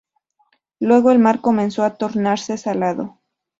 Luego el mar comenzó a tornarse salado.